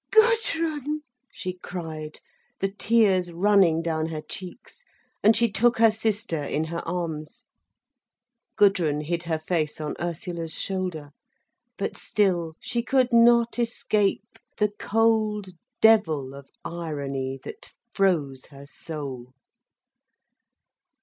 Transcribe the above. "Gudrun!" she cried, the tears running down her cheeks. And she took her sister in her arms. Gudrun hid her face on Ursula's shoulder, but still she could not escape the cold devil of irony that froze her soul.